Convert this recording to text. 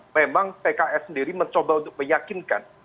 memang pks sendiri mencoba untuk meyakinkan